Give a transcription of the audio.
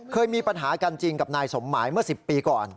เคยมีปัญหากันจริงกับนายสมหมายเมื่อ๑๐ปีก่อน